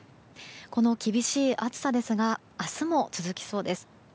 この厳しい暑さですが明日も続きそうです。